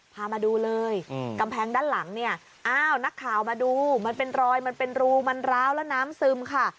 พามาดูเลยกำแพงด้านหลังเนี่ยอ้าวนักข่าวมาดูมันเป็นรอยมันเป็นรูมันร้าวแล้วน้ำซึมค่ะ